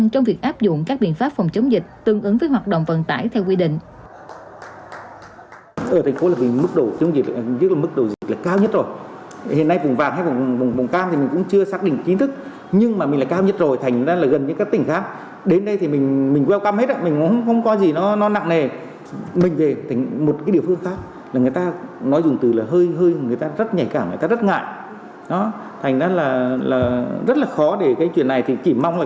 trong việc siết chặt kiểm tra công tác phòng chống dịch trên xe khách liên tỉnh thì các địa phương cũng cần công bố kịp thời cấp độ dịch để thống nhất tổ chức hoạt động vận tải hành khách liên tỉnh